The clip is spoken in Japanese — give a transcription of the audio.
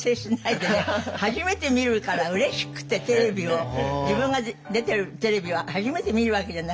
初めて見るからうれしくてテレビを。自分が出てるテレビを初めて見るわけじゃない？